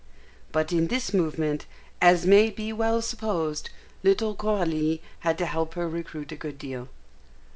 But in this movement, as may be well supposed, little Coralie had to help her recruit a good deal.